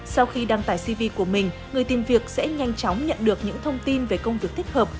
sau khi đăng tải cv của mình người tìm việc sẽ nhanh chóng nhận được những thông tin về công việc thích hợp